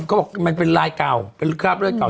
เขาบอกมันเป็นลายเก่าเป็นคราบเลือดเก่า